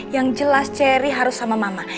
yang jelas cherry harus sama mama